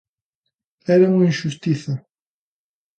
Era unha inxustiza.